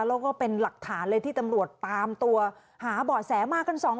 แล้วก็เป็นหลักฐานเลยที่ตำรวจตามตัวหาเบาะแสมากันสองคน